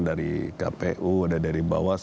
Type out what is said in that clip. dari kpu ada dari bawas